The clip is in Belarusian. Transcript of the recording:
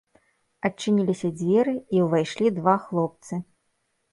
Адчыніліся дзверы, і ўвайшлі два хлопцы.